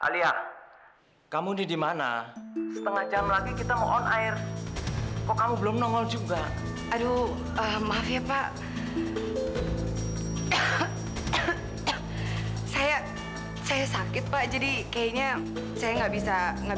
sampai jumpa di video selanjutnya